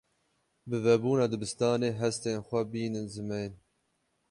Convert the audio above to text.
Bi vebûna dibistanê, hestên xwe bînin zimên.